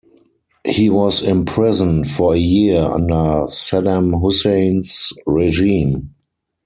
He was imprisoned for a year under Saddam Hussein's regime.